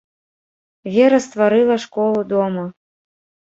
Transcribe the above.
Вера стварыла школу дома.